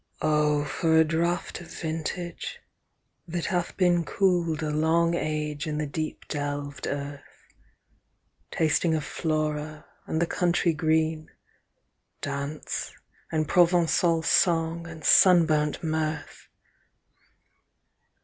2.O, for a draught of vintage! that hath beenCool'd a long age in the deep delved earth, Tasting of Flora and the country green, Dance, and Provencal song, and sunburnt mirth!